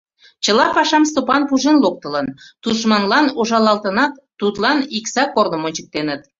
Чыла пашам Стопан пужен локтылын: тушманлан ужалалтынат, тудлан Икса корным ончыктен...